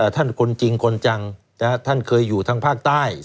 ท่านคนจริงคนจังท่านเคยอยู่ทางภาคใต้